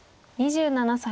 ２７歳。